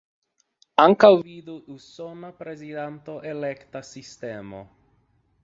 Ankaŭ vidu Usona Prezidanta Elekta Sistemo.